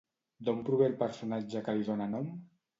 D'on prové el personatge que li dóna nom?